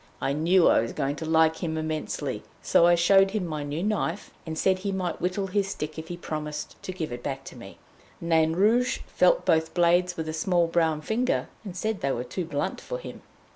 I knew I was going to like him immensely, so I showed him my new knife and said he might whittle his stick if he'd promise to give it back to me. Nain Rouge felt both blades with a small brown finger, and said they were too blunt for him.